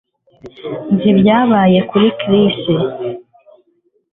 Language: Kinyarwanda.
Nzi ibyabaye kuri Chris